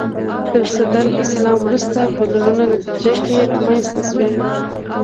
تر صدر اسلام وروسته بدلونونو نتیجه کې رامنځته شوي